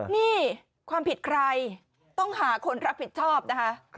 นี่ความผิดใครต้องหาคนรับผิดชอบนะคะ